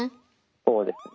そうですね。